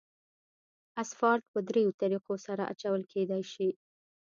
اسفالټ په دریو طریقو سره اچول کېدای شي